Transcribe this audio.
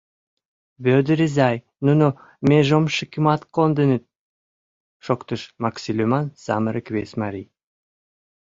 — Вӧдыр изай, нуно межомшикымат конденыт, — шоктыш Макси лӱман самырык вес марий.